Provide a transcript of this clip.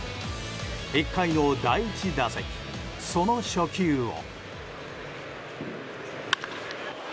１回の第１打席、その初球を。